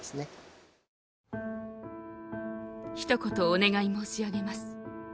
「一言お願い申し上げます。